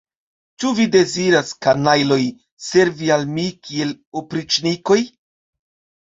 Ĉu vi deziras, kanajloj, servi al mi kiel opriĉnikoj?